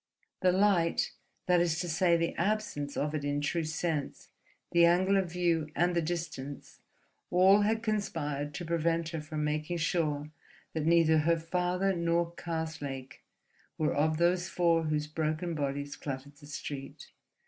The light, that is to say the absence of it in true sense, the angle of view, and the distance, all had conspired to prevent her from making sure that neither her father nor Karslake were of those four whose broken bodies cluttered the street.